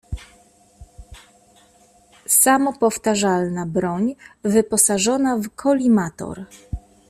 Samopowtarzalna broń wyposażona w kolimator.